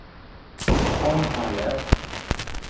โอ้ย มาแล้ว